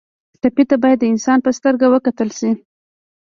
ټپي ته باید د انسان په سترګه وکتل شي.